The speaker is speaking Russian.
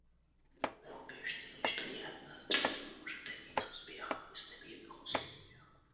Мы убеждены, что ни одна страна не может добиться успеха в нестабильных условиях.